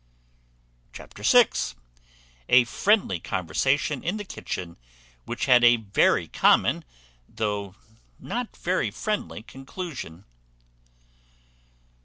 Chapter vi. A friendly conversation in the kitchen, which had a very common, though not very friendly, conclusion.